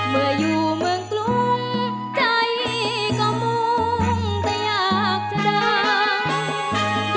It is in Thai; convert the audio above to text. เมื่ออยู่เมืองกรุงใจก็มุ่งแต่อยากจะดัง